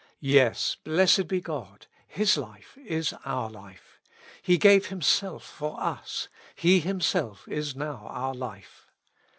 Yes, blessed be God ! His life is our life ; He gave Himself io^ us ; He Him self is now our life.